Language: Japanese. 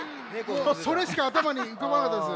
それしかあたまにうかばなかったです。